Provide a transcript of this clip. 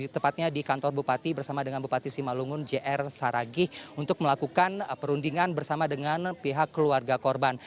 tepatnya di kantor bupati bersama dengan bupati simalungun jr saragih untuk melakukan perundingan bersama dengan pihak keluarga korban